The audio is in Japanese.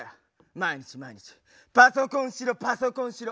毎日毎日「パソコンしろパソコンしろ。